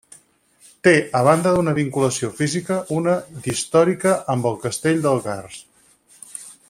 Té, a banda d'una vinculació física, una d'històrica amb el castell d'Algars.